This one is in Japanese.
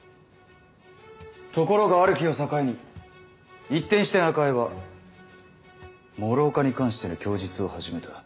ところがある日を境に一転して中江は諸岡に関しての供述を始めた。